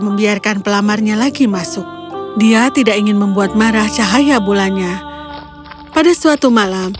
membiarkan pelamarnya lagi masuk dia tidak ingin membuat marah cahaya bulannya pada suatu malam